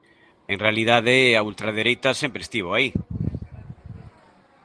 En realidade, a ultradereita sempre estivo aí.